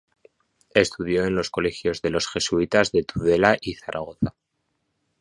Estudió en los colegios de los Jesuitas de Tudela y Zaragoza.